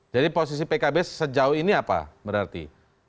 jadi posisi pkb sejauh ini apa berarti